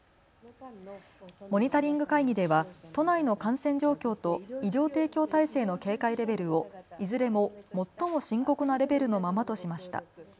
モニタリング会議では都内の感染状況と医療提供体制の警戒レベルをいずれも最も深刻なレベルのままとしました。